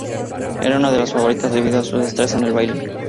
Era una de las favoritas debido a su destreza en el baile.